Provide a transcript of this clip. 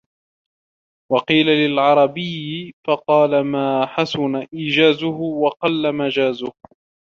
وَقِيلَ لِلْعَرَبِيِّ فَقَالَ مَا حَسُنَ إيجَازُهُ وَقَلَّ مَجَازُهُ